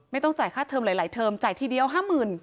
ไม่ต้องจ่ายค่าเทิมหลายเทอมจ่ายทีเดียว๕๐๐๐